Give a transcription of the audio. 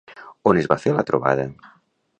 On es va fer la trobada?